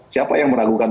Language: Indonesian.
siapa yang meragukan